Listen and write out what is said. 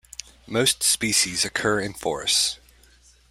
Most species occur in forests.